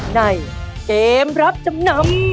ในเกมรับจำนำ